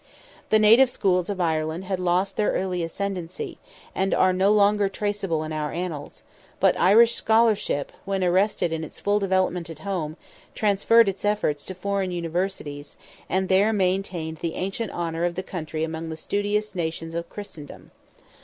The native schools of Ireland had lost their early ascendancy, and are no longer traceable in our annals; but Irish scholarship, when arrested in its full development at home, transferred its efforts to foreign Universities, and there maintained the ancient honour of the country among the studious "nations" of Christendom.